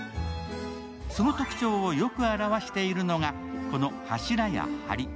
その特徴をよく現しているのが、この柱やはり。